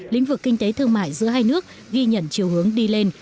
lĩnh vực kinh tế thương mại giữa hai nước ghi nhận chiều hướng đi lên